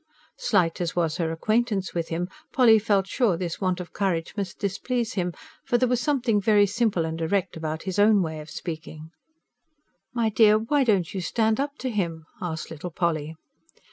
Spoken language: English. Slight as was her acquaintance with him, Polly felt sure this want of courage must displease him; for there was something very simple and direct about his own way of speaking. "My dear, why don't you stand up to him?" asked little Polly.